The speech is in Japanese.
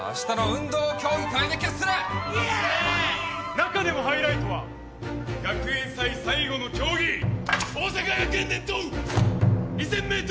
中でもハイライトは学園祭最後の競技桜咲学園伝統２，０００ｍリレー！